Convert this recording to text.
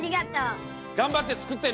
がんばってつくってね！